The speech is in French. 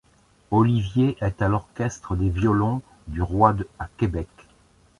Olivier est à l'orchestre des Violons du Roy à Québec.